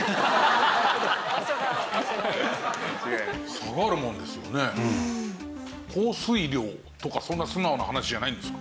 下がるものですよね。とかそんな素直な話じゃないんですか？